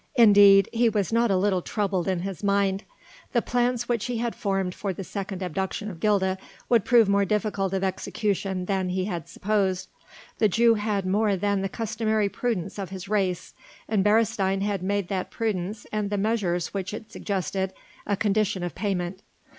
Indeed, he was not a little troubled in his mind. The plans which he had formed for the second abduction of Gilda would prove more difficult of execution than he had supposed. The Jew had more than the customary prudence of his race, and Beresteyn had made that prudence and the measures which it suggested a condition of payment.